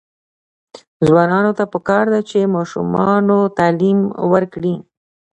ځوانانو ته پکار ده چې، ماشومانو تعلیم ورکړي.